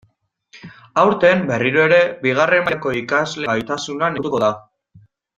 Aurten, berriro ere, bigarren mailako ikasleen gaitasuna neurtuko da.